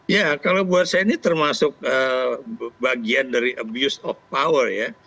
ya kalau buat saya ini termasuk bagian dari abuse of power ya